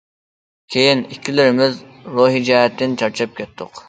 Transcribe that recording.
كېيىن، ئىككىلىمىز روھى جەھەتتىن چارچاپ كەتتۇق.